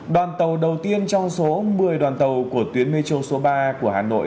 đoàn tàu đầu tiên trong số một mươi đoàn tàu của tuyến metro số ba của hà nội